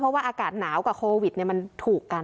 เพราะว่าอากาศหนาวกับโควิดมันถูกกัน